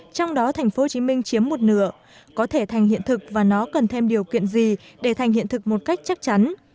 trong đó tp hcm chiếm một nửa có thể thành hiện thực và nó cần thêm điều kiện gì để thành hiện thực một cách chắc chắn